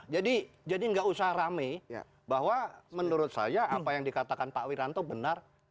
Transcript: jadi jadi nggak usah rame bahwa menurut saya apa yang dikatakan pak wiranto benar